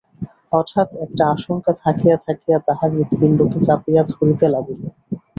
হঠাৎ একটা আশঙ্কা থাকিয়া থাকিয়া তাহার হৃৎপিণ্ডকে চাপিয়া ধরিতে লাগিল।